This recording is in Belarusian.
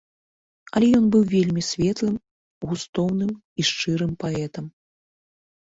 Але ён быў вельмі светлым, густоўным і шчырым паэтам.